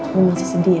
lo masih sedih ya